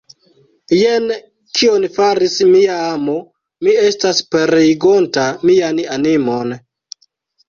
Jen kion faris mia amo, mi estas pereigonta mian animon!